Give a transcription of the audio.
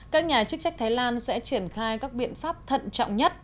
các nhà chức trách thái lan sẽ triển khai các biện pháp thận trọng nhất